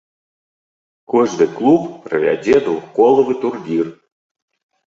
Кожны клуб правядзе двухколавы турнір.